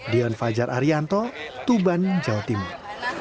dion fajar arianto tuban jawa timur